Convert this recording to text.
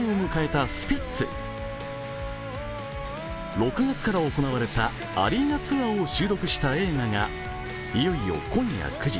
６月から行われたアリーナツアーを収録した映画がいよいよ今夜９時